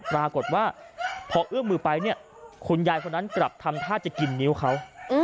ปรากฏว่าพอเอื้อมมือไปเนี่ยคุณยายคนนั้นกลับทำท่าจะกินนิ้วเขา